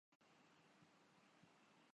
وہ باعزت قوم کے طور پہ